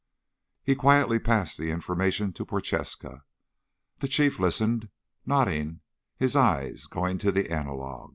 He quietly passed the information to Prochaska. The Chief listened, nodding, his eyes going to the analog.